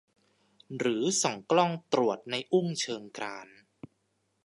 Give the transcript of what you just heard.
หรือส่องกล้องตรวจในอุ้งเชิงกราน